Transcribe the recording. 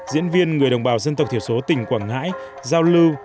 diễn viên người đồng bào dân tộc thiểu số tỉnh quảng ngãi giao lưu